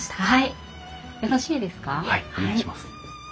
はい。